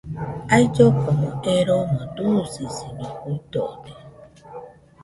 Ailloko eromo dusisiño juidode